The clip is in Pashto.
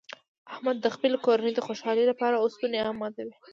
احمد د خپلې کورنۍ د خوشحالۍ لپاره اوسپنې هم ماتوي.